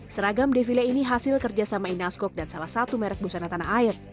seragam defile ini hasil kerjasama inaskok dan salah satu merek busana tanah air